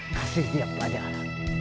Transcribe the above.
kasih dia pelajaran